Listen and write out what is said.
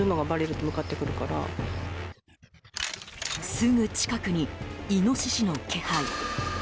すぐ近くにイノシシの気配。